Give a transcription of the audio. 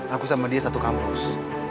aku sama dia satu kampus